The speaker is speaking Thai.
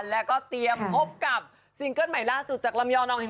แล้วก็เตรียมพบกับซิงเกิลใหม่ใหญ่ล่าสุดจากลำยอกหินห่าว